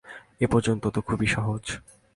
এ পর্যন্ত তো খুবই সহজ।